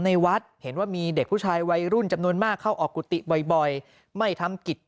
ในวัดเห็นว่ามีเด็กผู้ชายวัยรุ่นจำนวนมากเข้าออกกุฏิบ่อยไม่ทำกิจ